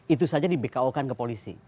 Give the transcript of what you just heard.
itu saja di bko kan ke polisi